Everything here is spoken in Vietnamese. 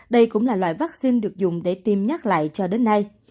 đây cũng là loại vaccine được dùng để tiêm nhắc lại cho đến nay